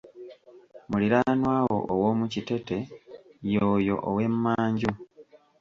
Muliranwawo owomukitete ye oyo ow'emmanju.